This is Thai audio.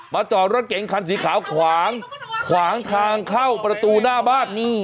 จอดรถเก๋งคันสีขาวขวางขวางทางเข้าประตูหน้าบ้าน